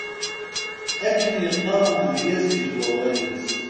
Akken yeqqar umedyaz deg wawal-is.